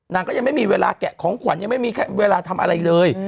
นางก็ยังไม่มีเวลาแกะของขวัญยังไม่มีเวลาทำอะไรเลย